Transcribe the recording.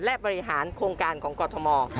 และบริหารโครงการของกรทม